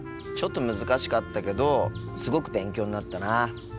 ちょっと難しかったけどすごく勉強になったな。